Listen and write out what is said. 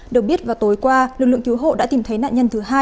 được biết vào tối qua lực lượng cứu hộ đã tìm thấy nạn nhân thứ hai